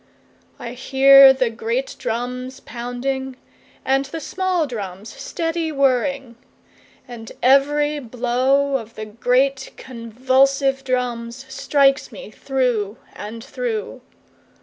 4I hear the great drums pounding, And the small drums steady whirring; And every blow of the great convulsive drums, Strikes me through and through.